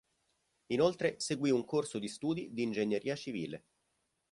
Inoltre seguì un corso di studi di ingegneria civile.